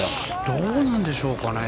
どうなんでしょうかね。